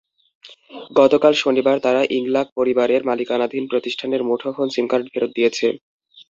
গতকাল শনিবার তারা ইংলাক পরিবারের মালিকানাধীন প্রতিষ্ঠানের মুঠোফোন সিমকার্ড ফেরত দিয়েছে।